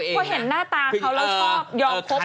แล้วเห็นหน้าตาเขาแล้วก็ยอมคบเขา